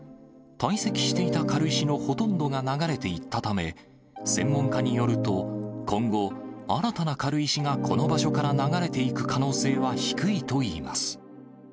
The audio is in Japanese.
堆積していた軽石のほとんどが流れていったため、専門家によると、今後、新たな軽石がこの場所から流れていく可能性は低いといいます。